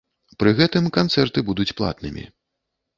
Пры гэтым канцэрты будуць платнымі.